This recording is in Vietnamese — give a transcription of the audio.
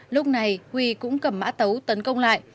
lúc này huy cũng cầm mã tấu tấn công lại